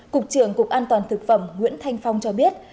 cục trưởng cục an toàn thực phẩm nguyễn thanh phong cho biết